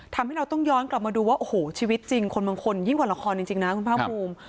ทำให้เราต้องย้อนกลับมาดูว่าโอ้โหชีวิตจริงคนบางคนยิ่งกว่าละครจริงนะคุณภาคภูมิ